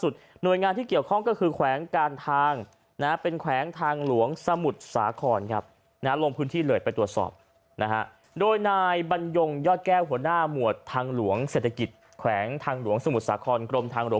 โดยนายบรรยงยอดแก้วหัวหน้าหมวดทางหลวงเศรษฐกิจแขวงทางหลวงสมุทรสาครกรมทางหลวง